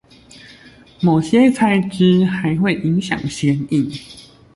某些材質還會影響顯影